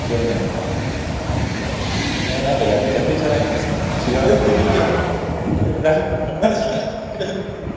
Apollo was also taught by his uncle and practiced playing at church.